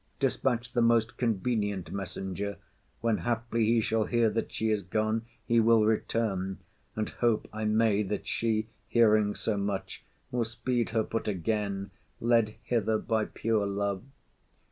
Dispatch the most convenient messenger. When haply he shall hear that she is gone He will return; and hope I may that she, Hearing so much, will speed her foot again, Led hither by pure love.